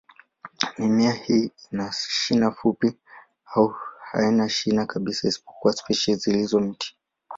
Mimea hii ina shina fupi au haina shina kabisa, isipokuwa spishi zilizo miti.